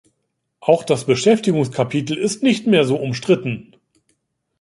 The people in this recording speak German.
Auch das Beschäftigungskapitel ist nicht mehr so umstritten.